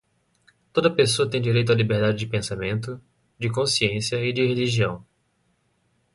Toda a pessoa tem direito à liberdade de pensamento, de consciência e de religião;